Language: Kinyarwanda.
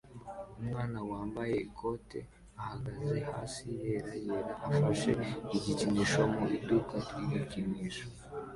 Umwana wambaye ikote ahagaze hasi yera yera afashe igikinisho mu iduka ry igikinisho